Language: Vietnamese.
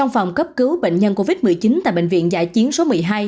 phòng cấp cứu bệnh nhân covid một mươi chín tại bệnh viện giải chiến số một mươi hai